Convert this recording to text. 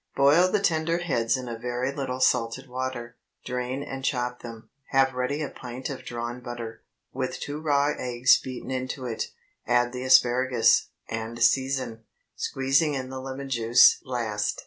Boil the tender heads in a very little salted water. Drain and chop them. Have ready a pint of drawn butter, with two raw eggs beaten into it; add the asparagus, and season, squeezing in the lemon juice last.